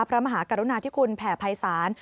พระมหากรุณาธิคุณแผ่ภัยศาล